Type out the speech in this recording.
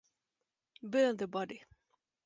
Burn the body!